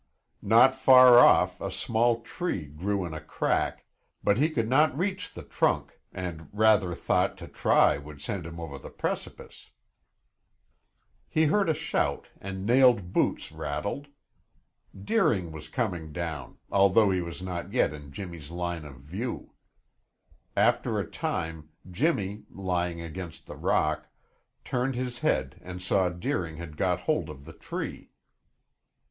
Not far off a small tree grew in a crack, but he could not reach the trunk and rather thought to try would send him over the precipice. He heard a shout and nailed boots rattled. Deering was coming down, although he was not yet in Jimmy's line of view. After a time, Jimmy, lying against the rock, turned his head and saw Deering had got hold of the tree.